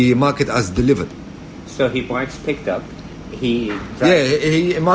dia menandatangani pesan telah diantar